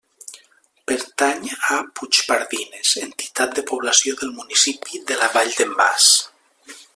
Pertany a Puigpardines, entitat de població del municipi de la Vall d'en Bas.